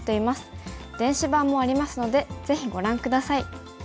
電子版もありますのでぜひご覧下さい。